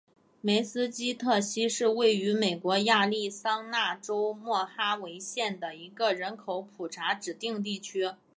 梅斯基特溪是位于美国亚利桑那州莫哈维县的一个人口普查指定地区。